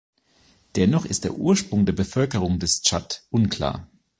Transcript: Dennoch ist der Ursprung der Bevölkerung des Tschad unklar.